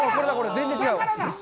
全然違う。